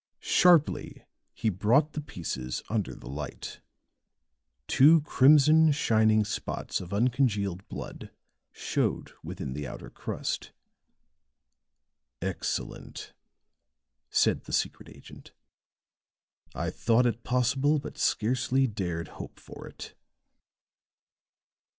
Sharply he brought the pieces under the light; two crimson, shining spots of uncongealed blood showed within the outer crust. "Excellent," said the secret agent. "I thought it possible, but scarcely dared hope for it."